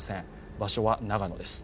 場所は長野です。